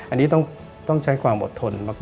อันนี้ต้องใช้ความอดทนมาก